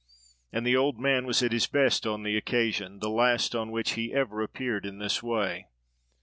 And the old man was at his best on the occasion; the last on which he ever appeared in this way.